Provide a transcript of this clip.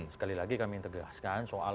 sekali lagi kami tegaskan soal